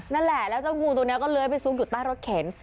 นั่นแหละแล้วเจ้างูตัวนี้ก็เลื้อยไปซุกอยู่ใต้รถเข็น